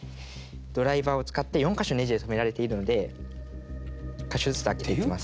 ドライバーを使って４か所ネジで止められているので１か所ずつ開けていきます。